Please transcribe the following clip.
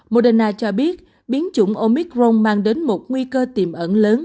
moderna cho biết biến chủng omicron mang đến một nguy cơ tiềm ẩn lớn